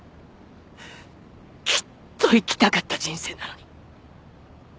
きっと生きたかった人生なのに。